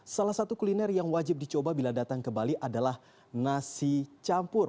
salah satu kuliner yang wajib dicoba bila datang ke bali adalah nasi campur